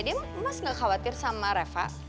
dia emas gak khawatir sama reva